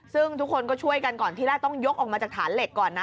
ซึ่งทุกคนก็ช่วยกันก่อนที่แรกต้องยกออกมาจากฐานเหล็กก่อนนะ